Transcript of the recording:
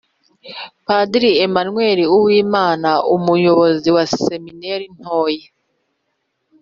padiri emanweli uwimana, umuyobozi wa seminari ntoya